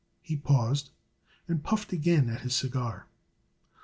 He paused and puffed again at his cigar.